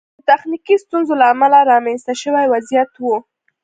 د تخنیکي ستونزو له امله رامنځته شوی وضعیت و.